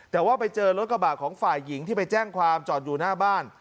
แต่ว่าไปเจอรถกระบะของฝ่ายหญิงที่ไปแจ้งความจอดอยู่หน้าบ้าน